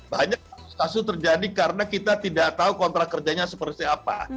banyak kasus kasus terjadi karena kita tidak tahu kontrak kerjanya seperti apa